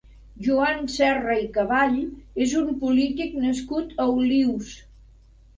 Joan Serra i Caball és un polític nascut a Olius.